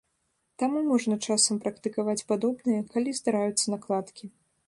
Таму можна часам практыкаваць падобнае, калі здараюцца накладкі.